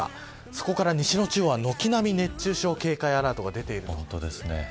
そこから西の地方は軒並み熱中症警戒アラートが出ています。